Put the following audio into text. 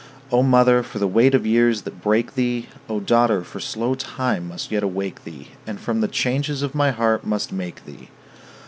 O mother, for the weight of years that break thee! O daughter, for slow time must yet awake thee, And from the changes of my heart must make thee!